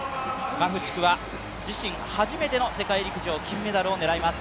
マフチクは自身初めての世界陸上金メダルを狙います。